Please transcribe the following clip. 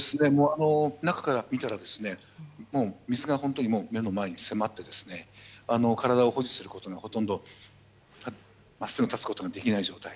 中から見たら水が本当に目の前に迫って体を保持することもほとんど真っすぐ立つことができない状態。